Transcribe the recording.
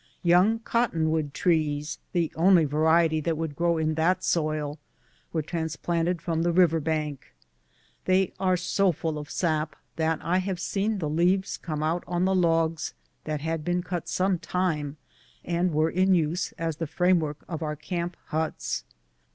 Young cotton wood trees — the only variety that would grow in that soil — were trans planted from the river bank. They are so full of sap that I have seen the leaves come out on the logs that had been cut some time and were in use as the frame work of our camp huts.